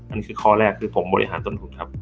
อันนี้คือข้อแรกคือผมบริหารต้นทุนครับ